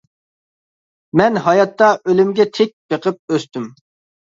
مەن ھاياتتا ئۆلۈمگە تىك، بېقىپ ئۆستۈم.